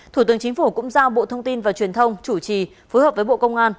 thủ tướng chính phủ cũng giao bộ thông tin và truyền thông chủ trì phối hợp với bộ công an